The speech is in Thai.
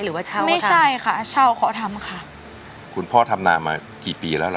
หรือว่าเช่าไม่ใช่ค่ะเช่าเขาทำค่ะคุณพ่อทำนามากี่ปีแล้วล่ะ